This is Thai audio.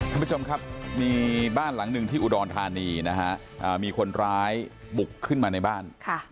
คุณผู้ชมครับมีบ้านหลังหนึ่งที่อุดรธานีนะฮะมีคนร้ายบุกขึ้นมาในบ้าน